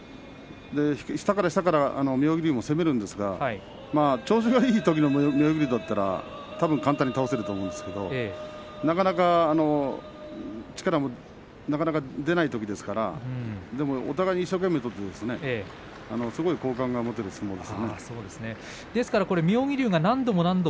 下から下から妙義龍は攻めるんですが調子のいいときの妙義龍だったら簡単に倒せると思うんですけどなかなか力も出ないですからお互い一生懸命取って好感の持てる相撲でしたね。